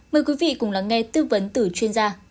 mời quý vị cùng lắng nghe tư vấn từ chuyên gia